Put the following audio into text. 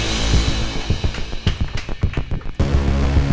jangan lupa like share dan subscribe ya